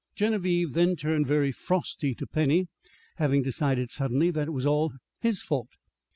Genevieve then turned very frosty to Penny, having decided suddenly that it was all his fault.